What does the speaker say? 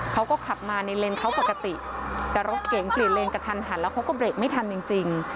เขาก็ขับมาในเลนเขาปกติแต่รถเก๋งเปลี่ยนเลนกระทันหันแล้วเขาก็เบรกไม่ทันจริง